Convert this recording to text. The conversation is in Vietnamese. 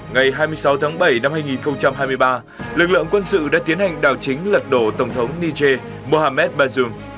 ngày hai mươi sáu tháng bảy năm hai nghìn hai mươi ba lực lượng quân sự đã tiến hành đảo chính lật đổ tổng thống niger mohamed bazoum